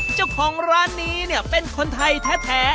เจ้าของร้านนี้เนี่ยเป็นคนไทยแท้